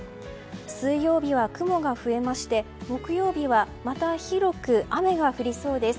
水曜日は雲が増えまして木曜日はまた広く雨が降りそうです。